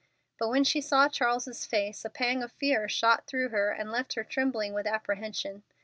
But when she saw Charles's face a pang of fear shot through her and left her trembling with apprehension.